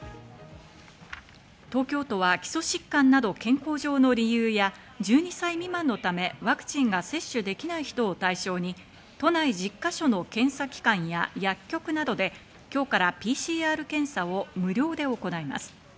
東京都は基礎疾患など健康上の理由や、１２歳未満のためワクチンが接種できない人を対象に都内１０か所の検査機関や薬局などで今日からＰＣＲ検査を無料で行います。